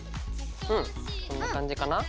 うんこんな感じかな？